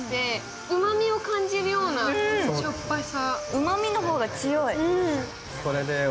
うまみの方が強い。